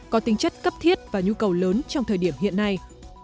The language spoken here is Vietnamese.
có tính chất cấp thiết và nhu cầu lớn trong thời điểm hiện nay